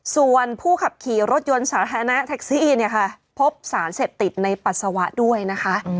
ส่วนผู้ขับขี่รถยนต์สาธารณะแท็กซี่เนี่ยค่ะพบสารเสพติดในปัสสาวะด้วยนะคะ